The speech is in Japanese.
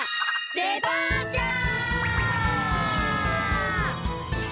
デパーチャー！